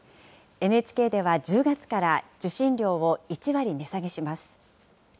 ＮＨＫでは、１０月から受信料を１割値下げします。